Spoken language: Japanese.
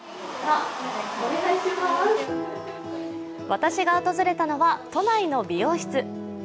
私が訪れたのは都内の美容室。